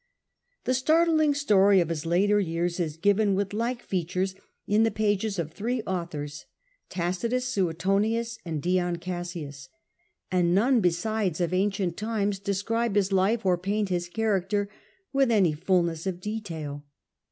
The startling story of his later years is given with like features in the pages of three authors, Tacitus, Suetonius, and Dion Cassius, and none besides of ancient times de scribe his life or paint his character with any fulness of detail.